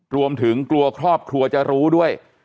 รวมถึงกลัวครอบครัวจะรู้ด้วย